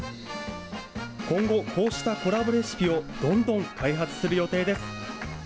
今後、こうしたコラボレシピをどんどん開発する予定です。